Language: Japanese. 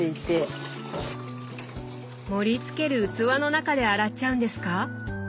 盛り付ける器の中で洗っちゃうんですか